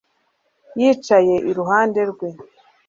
yicaye iruhande rwe